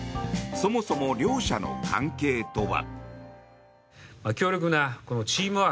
そもそも両者の関係とは。